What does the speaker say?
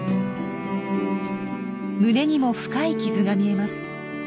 胸にも深い傷が見えます。